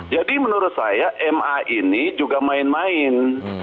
jadi menurut saya ma ini juga main main